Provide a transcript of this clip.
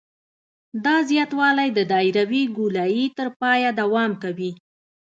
دا زیاتوالی د دایروي ګولایي تر پایه دوام کوي